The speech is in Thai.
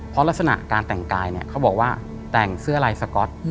เพราะลักษณะการแต่งกายเนี่ยเขาบอกว่าแต่งเสื้อลายสก๊อต